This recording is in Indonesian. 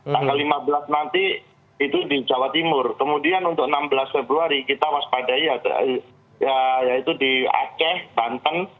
tanggal lima belas nanti itu di jawa timur kemudian untuk enam belas februari kita waspadai yaitu di aceh banten